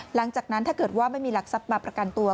หลังจากนั้นถ้าเกิดว่าไม่มีหลักทรัพย์มาประกันตัว